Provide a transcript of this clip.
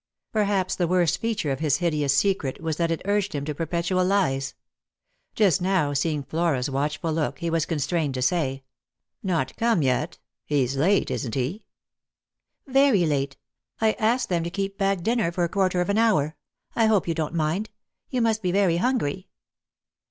Perhaps the worst feature of his hideous secret was that it urged him to perpetual lies. Just now, seeing Flora's watchful look, he was constrained to say, —" Not come yet ? He's late, isn't he ?"" Yery late. I asked them to keep back dinner for a quarter of an hour. I hope you don't mind. You must be very hungry."